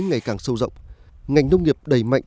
ngày càng sâu rộng ngành nông nghiệp đầy mạnh